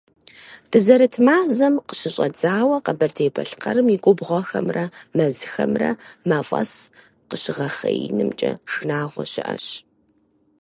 Дызэрыт мазэм къыщыщӀэдзауэ Къэбэрдей-Балъкъэрым и губгъуэхэмрэ мэзхэмрэ мафӀэс къыщыхъеинымкӀэ шынагъуэ щыӀэщ.